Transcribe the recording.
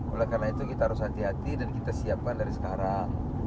oleh karena itu kita harus hati hati dan kita siapkan dari sekarang